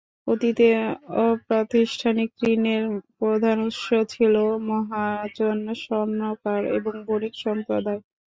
অতীতে অপ্রাতিষ্ঠানিক ঋণের প্রধান উৎস ছিল মহাজন, স্বর্ণকার এবং বণিক সম্প্রদায়।